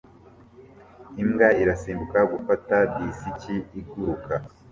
Imbwa irasimbuka gufata disiki iguruka